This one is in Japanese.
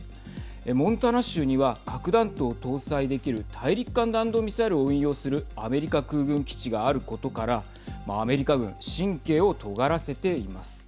モンタナ州には核弾頭を搭載できる大陸間弾道ミサイルを運用するアメリカ空軍基地があることからまあ、アメリカ軍神経をとがらせています。